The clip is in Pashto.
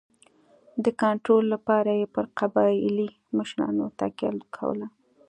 د کنټرول لپاره یې پر قبایلي مشرانو تکیه کوله.